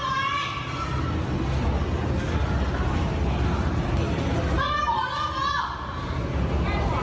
พนักงานในร้าน